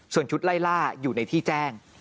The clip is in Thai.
ส่วนชุดไล่ล่าอยู่ในที่แจ้ง